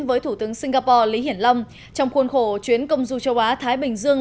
với thủ tướng singapore lý hiển long trong khuôn khổ chuyến công du châu á thái bình dương